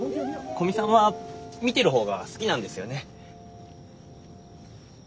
古見さんは見てる方が好きなんですよね？